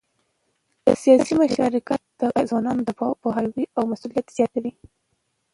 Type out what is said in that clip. سیاسي مشارکت د ځوانانو د پوهاوي او مسؤلیت زیاتوي